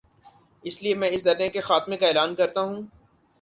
اس لیے میں اس دھرنے کے خاتمے کا اعلان کر تا ہوں۔